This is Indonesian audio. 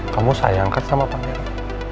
kamu sayangkan sama pangeran